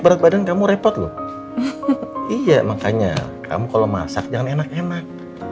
berat badan kamu repot loh iya makanya kamu kalau masak jangan enak enak